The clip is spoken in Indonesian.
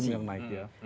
nasdem yang naik ya